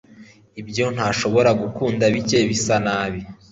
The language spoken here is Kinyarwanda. Ibyo ntashobora gukunda bike bisanabi